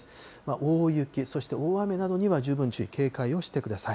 大雪、そして大雨などには十分注意、警戒をしてください。